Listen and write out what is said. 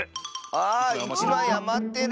あ１まいあまってる！